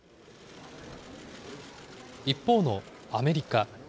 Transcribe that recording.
一方のアメリカ。